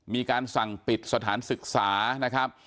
มีการสั่งปิดสถานศึกษานะครับ